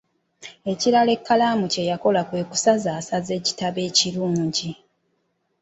Ekirala ekkalaamu kye yakola kwe kusazaasaza ekitabo ekirungi.